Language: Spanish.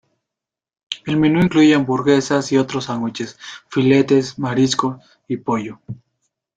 El menú incluye hamburguesas y otros sándwiches, filetes, marisco y pollo.